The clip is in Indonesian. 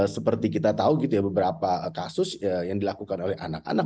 seperti kita tahu gitu ya beberapa kasus yang dilakukan oleh anak anak